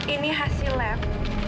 ini hasil lab